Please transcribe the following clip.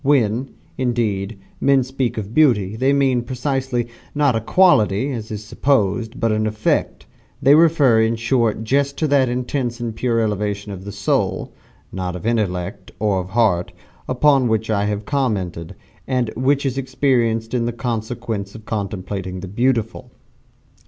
When, indeed, men speak of Beauty, they mean, precisely, not a quality, as is supposed, but an effect they refer, in short, just to that intense and pure elevation of soul not of intellect, or of heart upon which I have commented, and which is experienced in consequence of contemplating the "beautiful."